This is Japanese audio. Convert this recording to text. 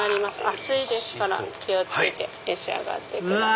熱いですから気を付けて召し上がってください。